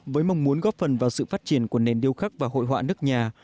với mong muốn góp phần vào sự phát triển của nền điêu khắc và hội họa nước nhà